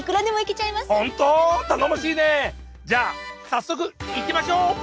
じゃあ早速いきましょう！